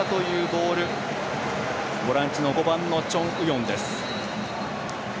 ボランチの５番のチョン・ウヨンです。